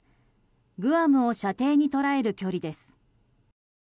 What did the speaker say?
グアムを射程に捉える距離です。